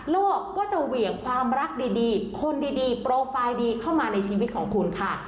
ก็จะเหวี่ยงความรักดีคนดีโปรไฟล์ดีเข้ามาในชีวิตของคุณค่ะ